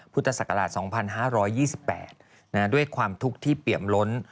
พุทธศักราช๒๕๒๘ด้วยความทุกข์ที่เปี่ยมล้น